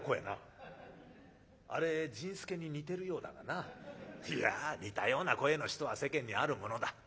なあれ甚助に似てるようだがないやあ似たような声の人は世間にあるものだ。